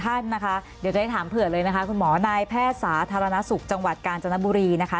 ท่านนะคะเดี๋ยวจะได้ถามเผื่อเลยนะคะคุณหมอนายแพทย์สาธารณสุขจังหวัดกาญจนบุรีนะคะ